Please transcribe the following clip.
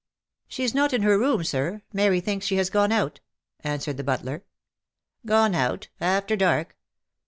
" She is not in her room, Sir. Mary thinks she has gone out," answered the butler. " Gone out — after dark.